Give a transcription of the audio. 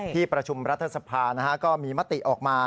ที่ประชุมรัฐสภาก็มีมติออกมา